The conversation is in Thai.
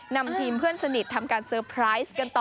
นำทีมเพื่อนสนิททำการเซอร์ไพรส์กันต่อ